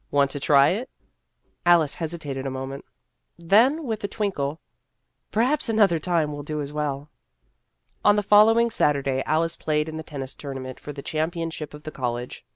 " Want to try it ?" Alice hesitated a moment ; then with a twinkle, " Perhaps another time will do as well." On the following Saturday, Alice played in the tennis tournament for the champion ship of the college.